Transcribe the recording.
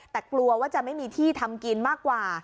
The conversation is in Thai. แต่กลัวว่าจะไม่มีที่ทำกินมากกว่า